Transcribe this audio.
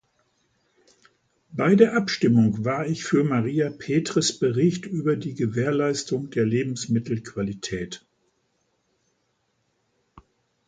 Bei der Abstimmung war ich für Maria Petres Bericht über die Gewährleistung der Lebensmittelqualität.